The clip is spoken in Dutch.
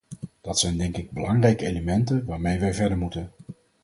Dat zijn denk ik belangrijke elementen waarmee wij verder moeten.